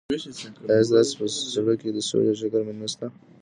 ایا ستا په زړه کي د سولي او شکر مینه سته؟